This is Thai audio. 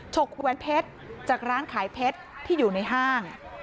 กแหวนเพชรจากร้านขายเพชรที่อยู่ในห้าง